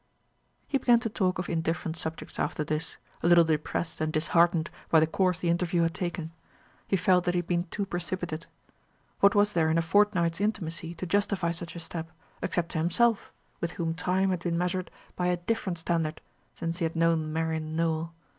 He began to talk of indifferent subjects after this, a little depressed and disheartened by the course the interview had taken. He felt that he had been too precipitate. What was there in a fortnight's intimacy to justify such a step, except to himself, with whom time had been measured by a different standard since he had known Marian Nowell?